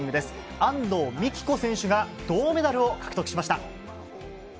安藤美希子選手が銅メダルを獲得しました。